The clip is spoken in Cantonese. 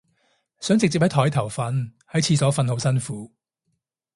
想直接喺枱頭瞓，喺廁所瞓好辛苦